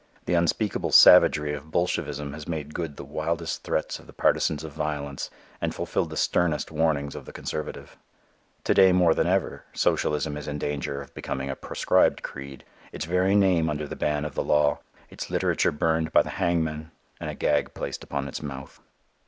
The unspeakable savagery of bolshevism has made good the wildest threats of the partisans of violence and fulfilled the sternest warnings of the conservative. To day more than ever socialism is in danger of becoming a proscribed creed, its very name under the ban of the law, its literature burned by the hangman and a gag placed upon its mouth.